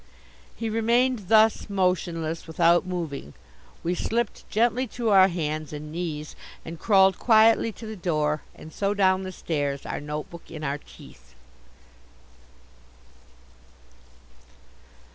He remained thus, motionless, without moving. We slipped gently to our hands and knees and crawled quietly to the door, and so down the stairs, our notebook in our teeth.